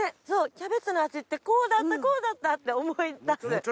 キャベツの味ってこうだったこうだった！って思い出す。